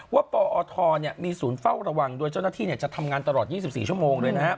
ปอทมีศูนย์เฝ้าระวังโดยเจ้าหน้าที่จะทำงานตลอด๒๔ชั่วโมงเลยนะครับ